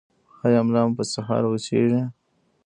ایا ملا مو په سهار کې وچیږي؟